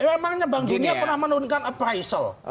memangnya bank dunia pernah menurunkan appraisal